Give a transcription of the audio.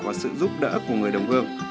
vào sự giúp đỡ của người đồng hương